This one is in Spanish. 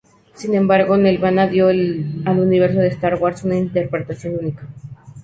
Sin embargo, Nelvana dio al universo de Star Wars una interpretación única.